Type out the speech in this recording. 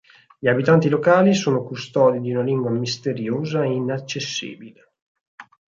Gli abitanti locali sono custodi di una lingua misteriosa e inaccessibile.